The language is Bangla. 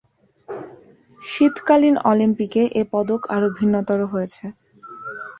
শীতকালীন অলিম্পিকে এ পদক আরো ভিন্নতর হয়েছে।